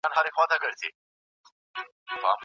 آيا فکري بډاينه پر مادي پرمختګ اغېز لري؟